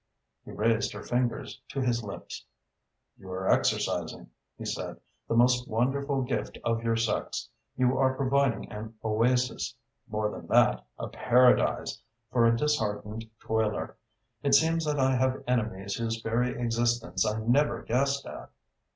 He raised her fingers to his lips. "You are exercising," he said, "the most wonderful gift of your sex. You are providing an oasis more than that, a paradise for a disheartened toiler. It seems that I have enemies whose very existence I never guessed at."